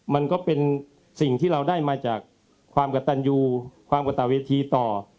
มันก็เป็นสิ่งที่เราได้มาจากความกระตันยูความกระต่าเวทีต่อ